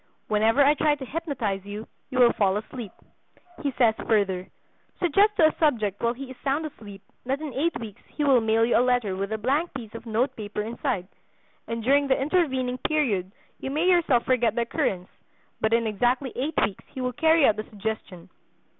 Whenever I try to hypnotize you, you will fall asleep." He says further: "Suggest to a subject while he is sound asleep that in eight weeks he will mail you a letter with a blank piece of note paper inside, and during the intervening period you may yourself forget the occurrence, but in exactly eight weeks he will carry out the suggestion.